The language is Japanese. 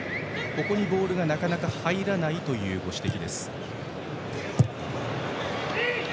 ここにボールがなかなか入らないというご指摘。